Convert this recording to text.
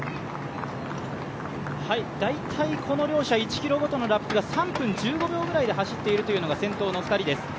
大体この両者１ｋｍごとのラップが３分１５秒ぐらいで走っているというのが先頭の２人です。